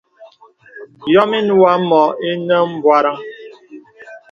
Yɔm inə̀ wǒ ǎ mǒ ìnə m̀bwarə̀ŋ.